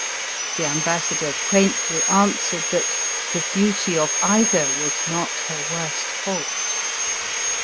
The ambassador quaintly answered that the beauty of either was not her worst fault.